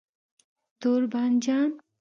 🍆 تور بانجان